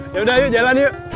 yaudah yuk jalan yuk